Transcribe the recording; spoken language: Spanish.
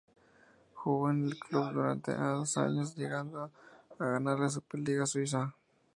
Jugó en el club durante dos años, llegando a ganar la Super Liga Suiza.